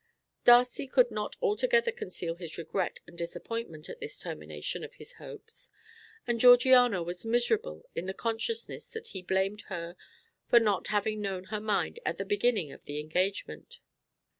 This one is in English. Darcy could not altogether conceal his regret and disappointment at this termination of his hopes, and Georgiana was miserable in the consciousness that he blamed her for not having known her mind at the beginning of the engagement.